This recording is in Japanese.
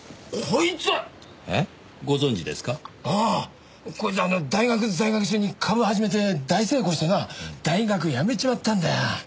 こいつあの大学在学中に株始めて大成功してな大学辞めちまったんだよ。